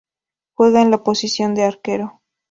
Juega en la posición de arquero.